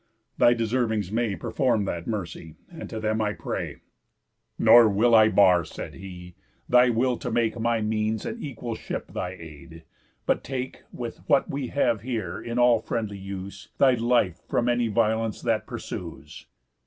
Thy deservings may Perform that mercy, and to them I pray." "Nor will I bar," said he, "thy will to make My means and equal ship thy aid, but take (With what we have here, in all friendly use) Thy life from any violence that pursues."